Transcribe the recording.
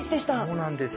そうなんです。